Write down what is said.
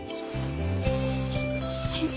先生